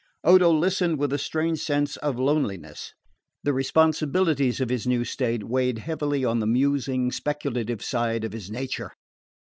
Odo listened with a strange sense of loneliness. The responsibilities of his new state weighed heavily on the musing speculative side of his nature.